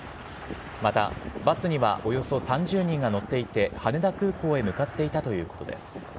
またバスにはおよそ３０人が乗っていて羽田空港に向かっていたということです。